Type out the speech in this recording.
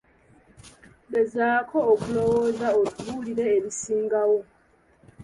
Gezaako okulowooza otubuulire ebisingawo.